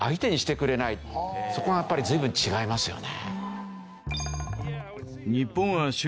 そこがやっぱり随分違いますよね。